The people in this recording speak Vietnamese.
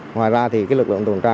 ngoài ra thì lực lượng tồn tra